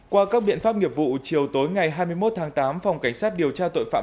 qua các biện pháp nghiệp vụ chiều tối ngày hai mươi một tháng tám phòng cảnh sát điều tra tội phạm